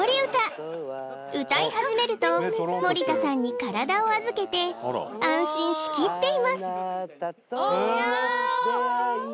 歌い始めると盛田さんに体を預けて安心しきっていますああっ！